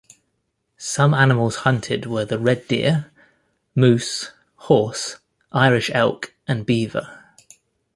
Some animals hunted were the red deer, moose, horse, Irish elk and beaver.